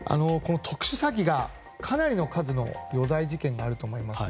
特殊詐欺がかなりの数の余罪事件があると思いますね。